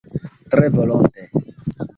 Tre volonte!